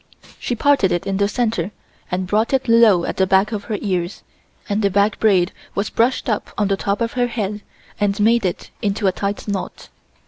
She parted it in the center and brought it low at the back of her ears, and the back braid was brushed up on the top of her head and made it into a tight knot.